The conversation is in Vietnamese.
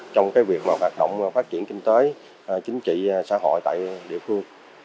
trong cái việc mà hoạt động phát triển kinh tế chính trị xã hội tại địa phương